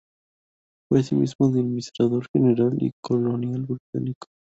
Fue asimismo administrador general y colonial británico.